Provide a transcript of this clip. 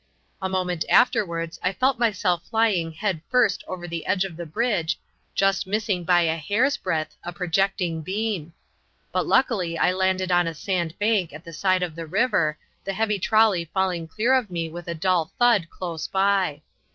A moment afterwards I felt myself flying head first over the edge of the bridge, just missing by a hair's breadth a projecting beam; but luckily I landed on a sand bank at the side of the river, the heavy trolley falling clear of me with a dull thud close by.